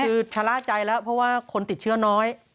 คือชะล่าใจแล้วเพราะว่าคนติดเชื้อน้อย